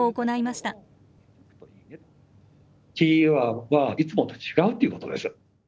キーワードはいつもと違うということです。